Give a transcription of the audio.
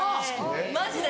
マジで？